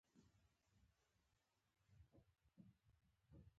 دوی له ماشومتوبه دښمن له نږدې احساس کړی.